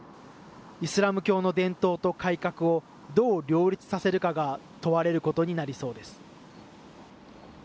イスラム教の伝統と改革をどう両立させるかが問われることになりそうです。